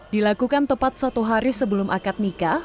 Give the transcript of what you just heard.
dilakukan tepat satu hari sebelum akad nikah